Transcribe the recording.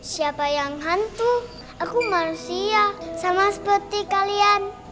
siapa yang hantu aku manusia sama seperti kalian